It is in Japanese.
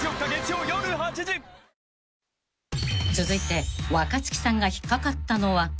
［続いて若槻さんが引っ掛かったのは］